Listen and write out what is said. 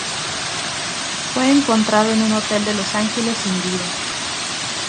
Fue encontrado en un hotel en Los Ángeles sin vida.